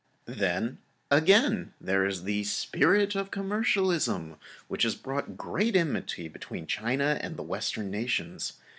Then, again, there is the spirit of commercialism which has caused great enmity between China and the Western nations.